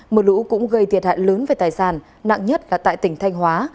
mưa lũ cũng gây thiệt hại lớn về tài sản nặng nhất là tại tỉnh thanh hóa